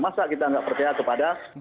masa kita nggak percaya kepada